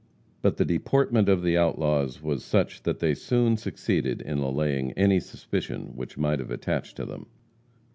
But the deportment of the outlaws was such that they soon succeeded in allaying any suspicion which might have attached to them.